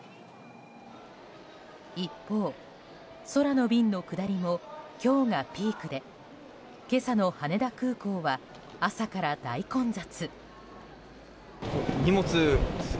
一方、空の便の下りも今日がピークで今朝の羽田空港は朝から大混雑。